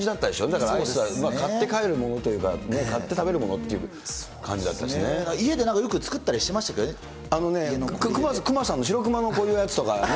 だからアイスは、買って帰るものっていうかね、買って食べるものという感じだっ家でなんかよく作ったりなんくまさんの、しろくまのこういうやつとかね。